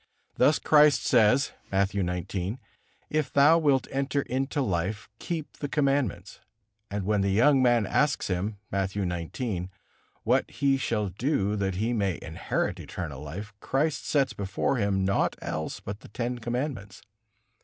Thus Christ says, Matthew xix, "If thou wilt enter into life, keep the commandments." And when the young man asks Him, Matthew xix, what he shall do that he may inherit eternal life, Christ sets before him naught else but the Ten Commandments.